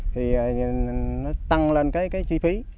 thì nó tăng lên cái chi phí